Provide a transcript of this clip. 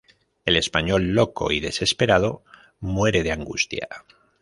El español, loco y desesperado, muere de angustia.